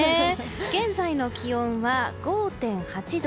現在の気温は５．８度。